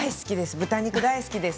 豚肉、大好きです。